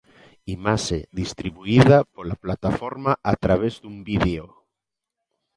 Imaxe distribuída pola plataforma a través dun vídeo.